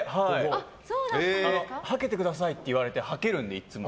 はけてくださいって言われていつもはけるんで。